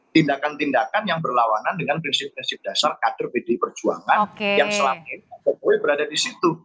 tindakan tindakan yang berlawanan dengan prinsip prinsip dasar kader pdi perjuangan yang selama ini pak jokowi berada di situ